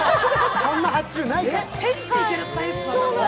そんな発注ないから。